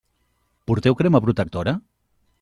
Porteu crema protectora?